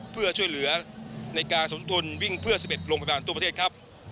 เพื่อช่วยเหลือในการสมทนวิ่งเพื่อ๑๑โรงพยาบาลทั่วประเทศครับ